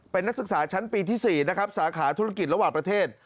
เป็นนักศึกษาชั้นปีที่๔นะครับสาขาธุรกิจระหว่างประเทศ